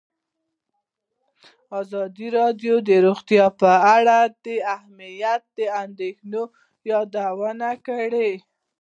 ازادي راډیو د روغتیا په اړه د امنیتي اندېښنو یادونه کړې.